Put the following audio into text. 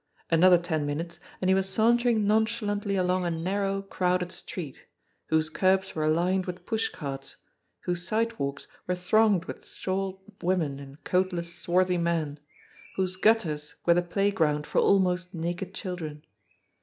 Another ten minutes, and he was sauntering nonchalantly along a narrow crowded street, whose curbs were lined with pushcarts, whose sidewalks were thronged with shawled women and coatless, swarthy men, whose gutters were the playground for almost naked children.